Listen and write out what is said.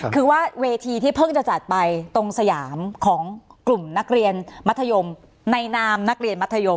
คือว่าเวทีที่เพิ่งจะจัดไปตรงสยามของกลุ่มนักเรียนมัธยมในนามนักเรียนมัธยม